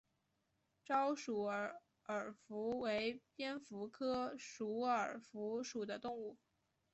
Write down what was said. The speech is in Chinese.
沼鼠耳蝠为蝙蝠科鼠耳蝠属的动物。